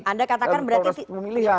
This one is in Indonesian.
anda katakan berarti